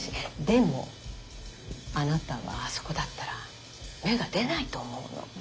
でもあなたはあそこだったら芽が出ないと思うの。